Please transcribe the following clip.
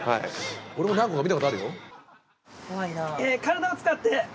俺も何個か見たことあるよ。